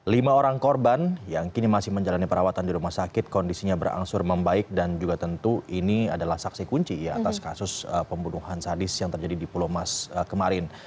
lima orang korban yang kini masih menjalani perawatan di rumah sakit kondisinya berangsur membaik dan juga tentu ini adalah saksi kunci atas kasus pembunuhan sadis yang terjadi di pulau mas kemarin